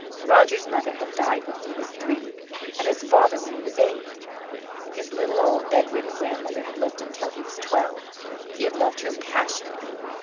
Roger's mother had died when he was three and his father when he was eight. His little, old, bedridden grandmother had lived until he was twelve. He had loved her passionately.